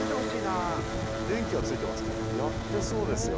やってそうですよ。